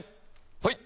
はい！